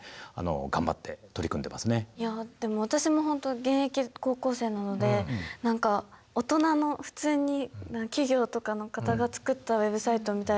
いやでも私もほんと現役高校生なので何か大人の普通に企業とかの方が作ったＷｅｂサイトみたいだなと思って。